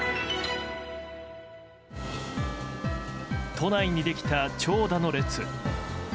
都内にできた長蛇の列。